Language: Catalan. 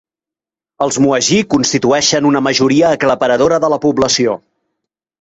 Els mohajir constitueixen una majoria aclaparadora de la població.